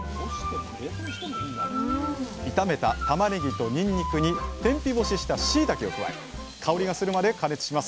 炒めたタマネギとにんにくに天日干ししたしいたけを加え香りがするまで加熱します